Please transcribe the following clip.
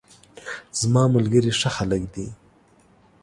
زماملګري ښه خلګ دي